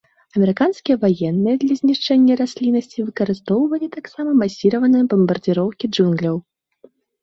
Амерыканскія ваенныя для знішчэння расліннасці выкарыстоўвалі таксама масіраваныя бамбардзіроўкі джунгляў.